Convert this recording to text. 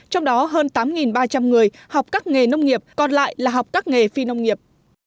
trong đó hơn tám ba trăm linh người học các nghề nông nghiệp còn lại là học các nghề phi nông nghiệp